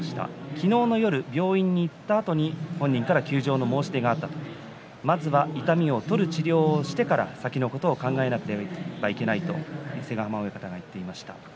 昨日の夜、病院に行ったあとに本人から休場の申し出があったまずは痛みを取る治療をしてから先のことを考えなければいけないと伊勢ヶ濱親方が言っていました。